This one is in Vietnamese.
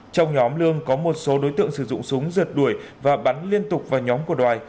trong nhóm lương có một số đối tượng sử dụng súng rượt đuổi và bắn liên tục vào nhóm của đoài